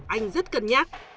anh rất cân nhắc